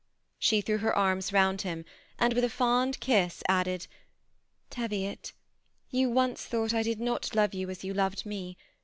She threw her arms round him, and with a fond kiss, added, ^ Teviot, you once thought I did not love you, as you loved me.